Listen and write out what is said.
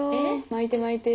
巻いて巻いて。